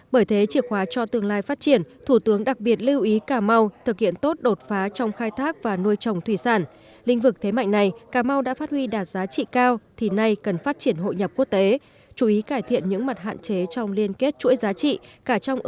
bởi thế chìa khóa cho tương lai phát triển thủ tướng đặc biệt lưu ý cà mau thực hiện tốt đột phá trong khai thác và nuôi trồng thủy sản